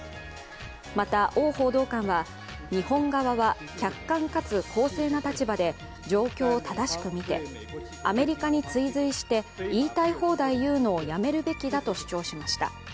また汪報道官は、日本側は客観かつ公正な立場で状況を正しく見てアメリカに追随して言いたい放題言うのをやめるべきだと主張しました。